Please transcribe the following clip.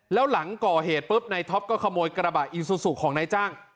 แล้วหลังก่อเหตุปุ๊บนายท็อปก็ขโมยกระบะอีซูซูของนายจ้าง